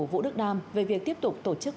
vũ đức nam về việc tiếp tục tổ chức